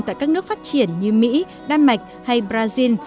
tại các nước phát triển như mỹ đan mạch hay brazil